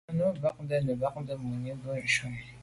Á nǔm bâdə̀ á nə̀ bàdə̌ mùní bû shúnì.